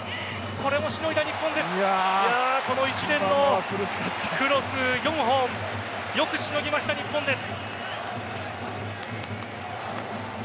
この一連のクロス４本よくしのぎました、日本です。